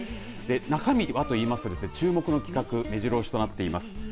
中身はと言いますと注目の企画めじろ押しとなっています。